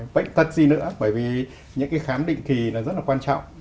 bệnh tật gì nữa bởi vì những cái khám định kỳ là rất là quan trọng